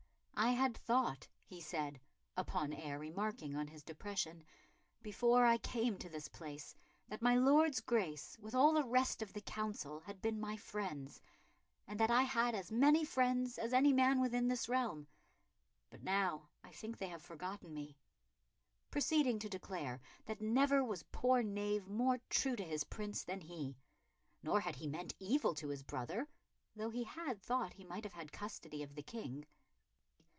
"I had thought," he said, upon Eyre remarking on his depression, "before I came to this place that my Lord's Grace, with all the rest of the Council, had been my friends, and that I had as many friends as any man within this realm. But now I think they have forgotten me," proceeding to declare that never was poor knave more true to his Prince than he; nor had he meant evil to his brother, though he had thought he might have had the custody of the King.